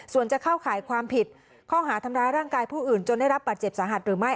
ส่วนจะเข้าข่ายความผิดข้อหาทำร้ายร่างกายผู้อื่นจนได้รับบาดเจ็บสาหัสหรือไม่